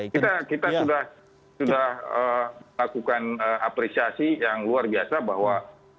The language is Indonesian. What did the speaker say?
kita sudah melakukan apresiasi yang luar biasa bahwa